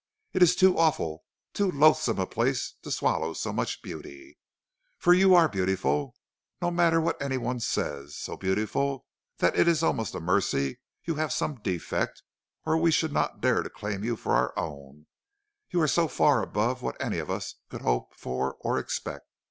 It is too awful, too loathsome a place to swallow so much beauty; for you are beautiful, no matter what any one says; so beautiful that it is almost a mercy you have some defect, or we should not dare to claim you for our own, you are so far above what any of us could hope for or expect.'